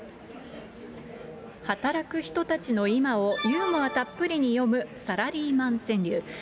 働く人たちの今をユーモアたっぷりに詠むサラリーマン川柳。